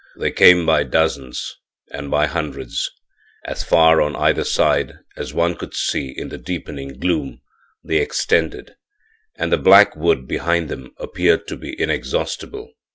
They came by dozens and by hundreds; as far on either hand as one could see in the deepening gloom they extended and the black wood behind them appeared to be inexhaustible.